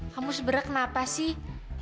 kamu sebenernya kenapa sih